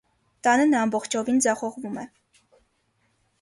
Տանը նա ամբողջովին ձախողվում է։